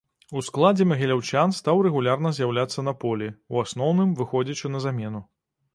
У складзе магіляўчан стаў рэгулярна з'яўляцца на полі, у асноўным выходзячы на замену.